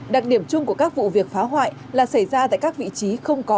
đặc điểm chung của các vụ việc phá hoại là xảy ra tại các vị trí không có